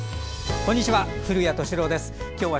こんにちは。